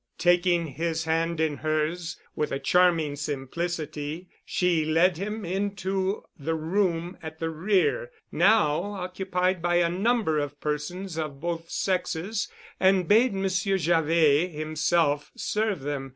Taking his hand in hers, with a charming simplicity, she led him into the room at the rear, now occupied by a number of persons of both sexes, and bade Monsieur Javet himself serve them.